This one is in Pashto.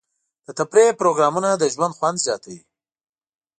د تفریح پروګرامونه د ژوند خوند زیاتوي.